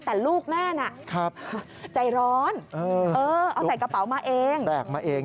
แต่ลูกแม่นะใจร้อนเอาใส่กระเป๋ามาเอง